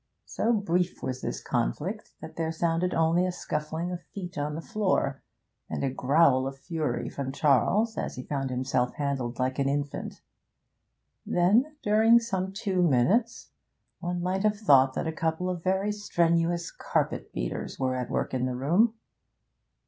So brief was this conflict that there sounded only a scuffling of feet on the floor, and a growl of fury from Charles as he found himself handled like an infant; then, during some two minutes, one might have thought that a couple of very strenuous carpet beaters were at work in the room.